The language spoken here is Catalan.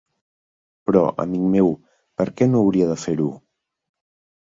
Però, amic meu, per què no hauria de fer-ho?